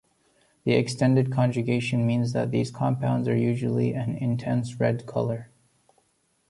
The extended conjugation means that these compounds are usually an intense red colour.